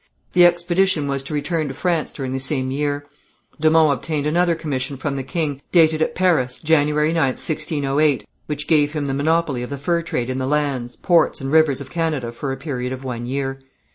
The expedition was to return to France during the same year. De Monts obtained another commission from the king, dated at Paris, January 9th, 1608, which gave him the monopoly of the fur trade in the lands, ports and rivers of Canada for a period of one year.